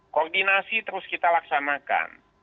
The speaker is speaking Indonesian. koordinasi terus kita laksanakan